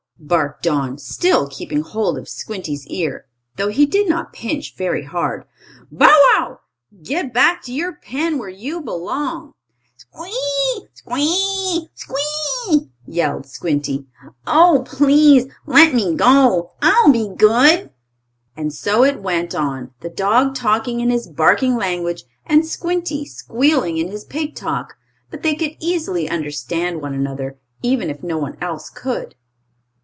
barked Don, still keeping hold of Squinty's ear, though he did not pinch very hard. "Bow wow! Get back to your pen where you belong!" "Squee! Squee! Squee!" yelled Squinty. "Oh, please let me go! I'll be good!" And so it went on, the dog talking in his barking language, and Squinty squealing in his pig talk; but they could easily understand one another, even if no one else could.